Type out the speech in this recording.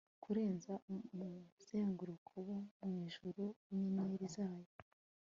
Kurenza umuzenguruko wo mwijuru winyenyeri zayo